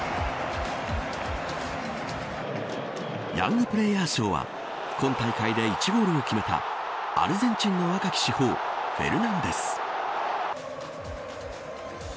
ヤングプレーヤー賞は今大会で１ゴールを決めたアルゼンチンの若き至宝フェルナンデス。